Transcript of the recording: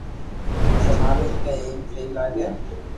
پسي مالڪ ني ايم سھي لاگي